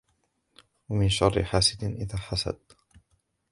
ومن شر حاسد إذا حسد